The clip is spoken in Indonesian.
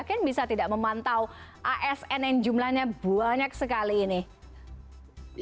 kan bisa tidak memantau asnn jumlahnya banyak sekali ini